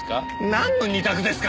なんの２択ですか？